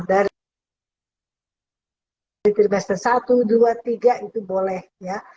dari pilpres satu dua tiga itu boleh ya